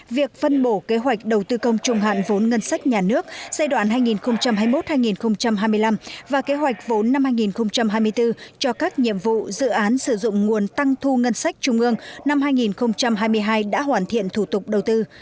việc phân bổ kế hoạch đầu tư công trung hạn vốn ngân sách nhà nước giai đoạn hai nghìn hai mươi một hai nghìn hai mươi năm và kế hoạch vốn năm hai nghìn hai mươi bốn cho các nhiệm vụ dự án sử dụng nguồn tăng thu ngân sách trung ương năm hai nghìn hai mươi hai đã hoàn thiện thủ tục đầu tư